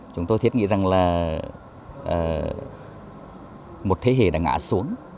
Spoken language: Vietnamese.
chúng tôi thiết nghĩ rằng là một thế hệ đã ngã xuống